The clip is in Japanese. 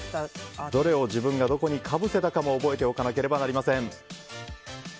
どれを自分がどこにかぶせたかも覚えておかなければなりません。